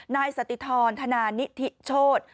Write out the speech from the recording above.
นายสติธรธนานิธิโชธ